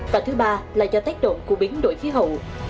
và thứ ba là do tác động của biến đổi khí hậu